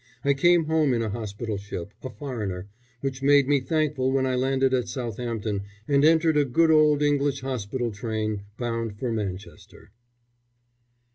I came home in a hospital ship, a foreigner, which made me thankful when I landed at Southampton and entered a good old English hospital train bound for Manchester.